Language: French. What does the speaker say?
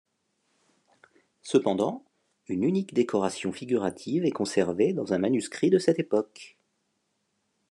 Cependant, une unique décoration figurative est conservée dans un manuscrit de cette époque.